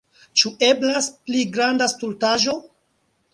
Ĉu eblas pli granda stultaĵo?